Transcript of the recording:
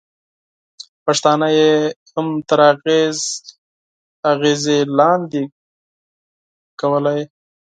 پښتانه یې هم تر اغېزې لاندې کولای.